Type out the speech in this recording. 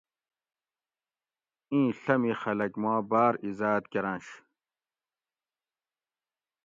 ایں ڷمی خلک ما باۤر ایزات کرنش